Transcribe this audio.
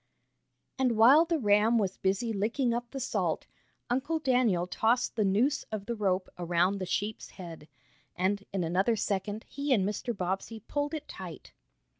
And while the ram was busy licking up the salt, Uncle Daniel tossed the noose of the rope around the sheep's head, and, in another second, he and Mr. Bobbsey pulled it tight.